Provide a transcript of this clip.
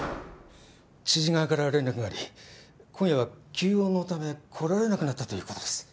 知事側から連絡があり今夜は急用のため来られなくなったという事です。